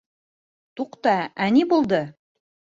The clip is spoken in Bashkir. Туҡта, ә ни булды?